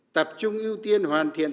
tập trung ưu tiên hoàn thiện